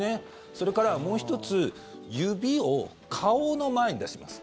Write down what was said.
それからもう１つ指を顔の前に出します。